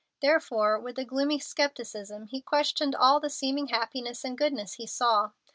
Therefore, with a gloomy scepticism, he questioned all the seeming happiness and goodness he saw.